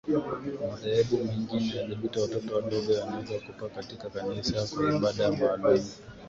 Madhehebu mengine hayabatizi watoto wadogo Yanaweza kuwapokea katika Kanisa kwa ibada maalumu